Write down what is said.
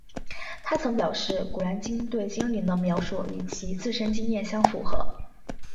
她曾表示古兰经对精灵的描述与其自身经验相符合。